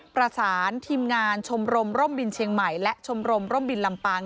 ประสานทีมงานชมรมร่มบินเชียงใหม่และชมรมร่มบินลำปาง